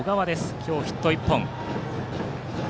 今日ヒット１本。